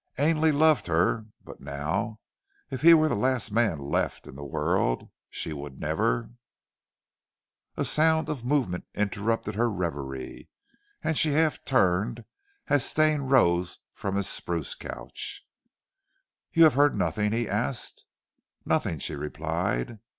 Ainley loved her; but now, if he were the last man left in the world, she would never A sound of movement interrupted her reverie, and she half turned as Stane rose from his spruce couch. "You have heard nothing?" he asked. "Nothing!" she replied.